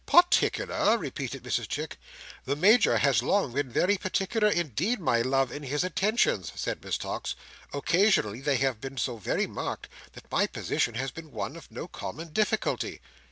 "Particular!" repeated Mrs Chick. "The Major has long been very particular indeed, my love, in his attentions," said Miss Tox, "occasionally they have been so very marked, that my position has been one of no common difficulty."